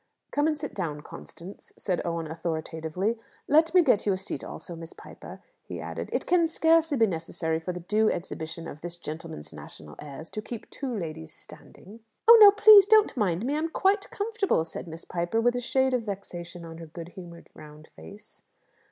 "Come and sit down, Constance," said Owen authoritatively. "Let me get you a seat also, Miss Piper," he added. "It can scarcely be necessary for the due exhibition of this gentleman's national airs to keep two ladies standing." "Oh no, no; please don't mind me. I'm quite comfortable," said Miss Piper, with a shade of vexation on her good humoured round face.